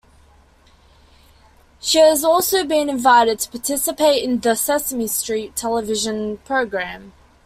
She has also been invited to participate in the "Sesame Street" television program.